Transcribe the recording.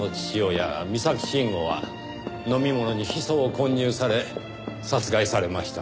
三崎慎吾は飲み物にヒ素を混入され殺害されました。